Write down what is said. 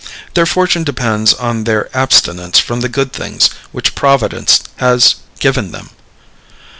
Their fortune depends on their abstinence from the good things which Providence has given them.